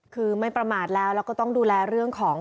คือไม่ประมาทแล้วแล้วก็ต้องดูแลเรื่องของ